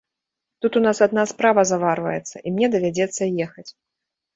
Тут у нас адна справа заварваецца, і мне давядзецца ехаць.